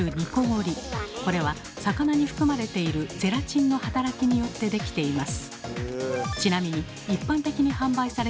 これは魚に含まれているゼラチンの働きによって出来ています。